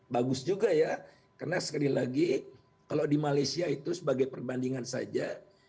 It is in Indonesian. bagus juga ya karena sekali lagi kalau di malaysia itu sebagai perbandingan saja